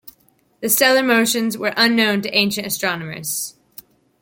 These stellar motions were unknown to ancient astronomers.